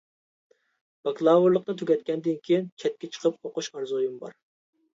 باكلاۋۇرلۇقنى تۈگەتكەندىن كىيىن چەتكە چىقىپ ئوقۇش ئارزۇيۇم بار.